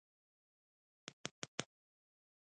فلش يې په کمپيوټر کې واچوه.